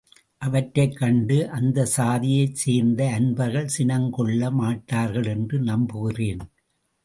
அவற்றைக் கண்டு அந்தச் சாதியைச் சேர்ந்த அன்பர்கள் சினம் கொள்ள மாட்டார்கள் என்று நம்புகிறேன்.